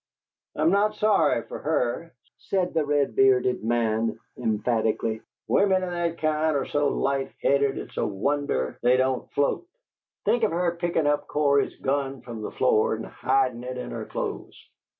"I'm not sorry fer HER!" said the red bearded man, emphatically. "Women o' that kind are so light headed it's a wonder they don't float. Think of her pickin' up Cory's gun from the floor and hidin' it in her clothes!